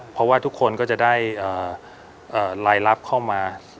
เพราะว่าทุกคนก็จะได้รายรับเข้ามา